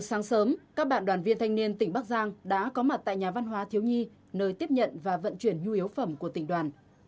sáng sớm các bạn đoàn viên thanh niên tỉnh bắc giang đã có mặt tại nhà văn hóa thiếu nhi nơi tiếp nhận và vận chuyển nhu yếu phẩm của tỉnh đoàn